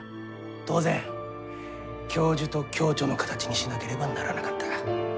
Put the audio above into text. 当然教授と共著の形にしなければならなかった。